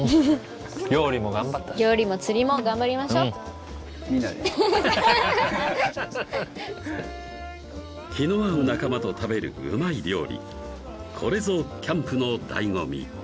料理もがんばったし料理も釣りもがんばりましょういいね気の合う仲間と食べるうまい料理これぞキャンプのだいご味